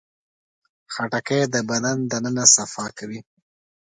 خټکی د بدن دننه صفا کوي.